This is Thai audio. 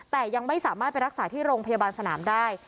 แต่ยังไม่สามารถไปรักษาที่โรงพยาบาลสนามได้